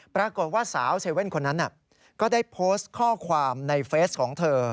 ปรากฏว่าสาวเซเว่นคนนั้นก็ได้โพสต์ข้อความในเฟสของเธอ